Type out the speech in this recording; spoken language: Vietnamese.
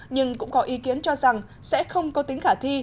nhưng cũng có ý kiến cho rằng sẽ không có tính khả thi